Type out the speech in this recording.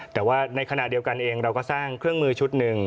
แต่ว่าในขณะเดียวกันเองเราก็สร้างเครื่องมือชุดหนึ่ง